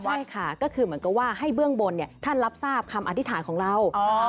ใช่ค่ะก็คือเหมือนกับว่าให้เบื้องบนท่านรับทราบคำอธิษฐานของเรา